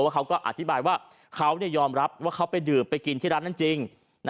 เขาก็อธิบายว่าเขายอมรับว่าเขาไปดื่มไปกินที่ร้านนั้นจริง